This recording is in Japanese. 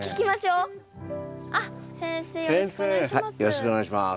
よろしくお願いします。